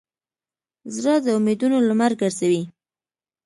زړه د امیدونو لمر ګرځوي.